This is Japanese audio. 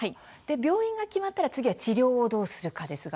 病院が決まったら次は治療をどうするかですね